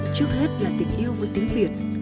trước hết là tình yêu với tiếng việt